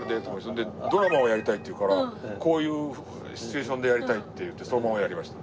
それでドラマをやりたいって言うからこういうシチュエーションでやりたいって言ってそのままやりました。